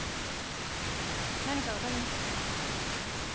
何か分かりますね？